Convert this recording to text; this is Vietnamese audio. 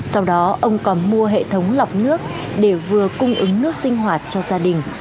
sau đó ông còn mua hệ thống lọc nước để vừa cung ứng nước sinh hoạt cho gia đình